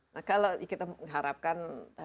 nah kalau kita mengharapkan